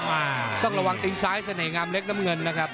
อ่าต้องระวังติงซ้ายเสน่หงามเล็กน้ำเงินนะครับ